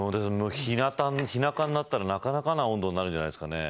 日なたになったらなかなかな温度になるんじゃないですかね。